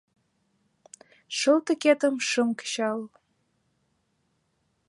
Шылтыкетым шым кычал